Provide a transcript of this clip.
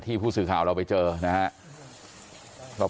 ที่ผู้สื่อข่าวเราไปเจอนะฮะ